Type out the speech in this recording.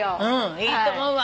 いいと思うわ。